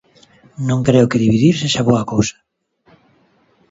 Non creo que dividir sexa boa cousa.